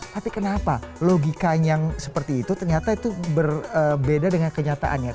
tapi kenapa logikanya yang seperti itu ternyata itu berbeda dengan kenyataannya